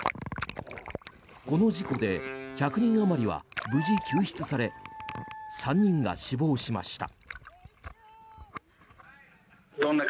この事故で１００人あまりは無事救出され３人が死亡しました。